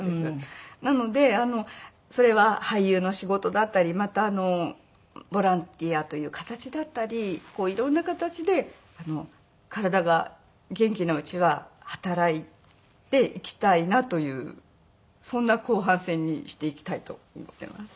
なのでそれは俳優の仕事だったりまたボランティアという形だったり色んな形で体が元気なうちは働いていきたいなというそんな後半戦にしていきたいと思っています。